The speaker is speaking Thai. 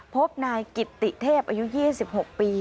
พบนายกิตติเทพอายุ๒๖ปี